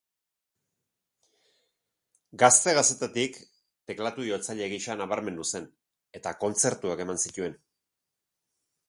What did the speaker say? Gazte-gaztetatik teklatu-jotzaile gisa nabarmendu zen, eta kontzertuak eman zituen.